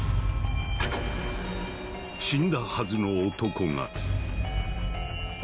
死んだはずの男が。